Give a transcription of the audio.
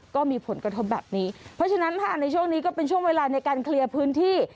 ก็มีผลกระทบแบบนี้เพราะฉะนั้นค่ะในช่วงนี้ก็เป็นช่วงเวลาในการเคลียร์พื้นที่